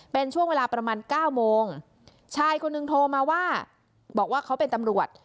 เป็นช่วงเวลาประมาณเก้าโมงชายคนนึงโทรมาว่าบอกว่าเขาเป็นตำรวจ